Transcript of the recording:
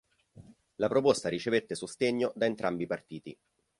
La proposta ricevette sostegno da entrambi i partiti.